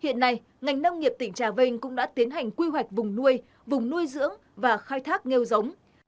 hiện nay ngành nông nghiệp tỉnh trà vinh cũng đã tiến hành quy hoạch vùng nuôi vùng nuôi dưỡng và khai thác nghêu giống